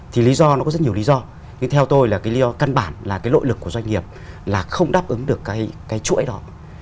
thì lý do nó có rất nhiều lý do nhưng theo tôi là cái lý do căn bản là cái lội lực của doanh nghiệp là không đáp ứng được cái chuỗi đó